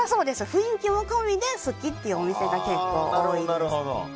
雰囲気も込みで好きっていうお店が結構多いです。